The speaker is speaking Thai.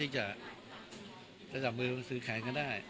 จับมือวางซื้อแขนก็ได้